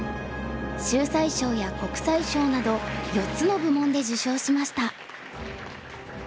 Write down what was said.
秀哉賞や国際賞など４つの部門で受賞しました。